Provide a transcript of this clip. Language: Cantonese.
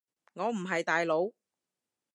我唔係大佬